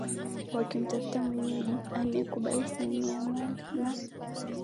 wakimtafuta mwenyeji anayekubali sehemu ya mali na